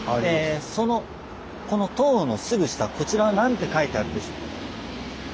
そのこの塔のすぐ下こちらは何て書いてあるでしょう？